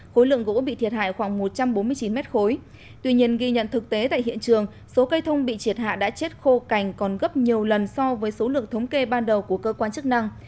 khối lượng gỗ bị thiệt hại khoảng một trăm bốn mươi chín m ba tuy nhiên ghi nhận thực tế tại hiện trường số cây thông bị triệt hạ đã chết khô cành còn gấp nhiều lần so với số lượng thống kê ban đầu của cơ quan chức năng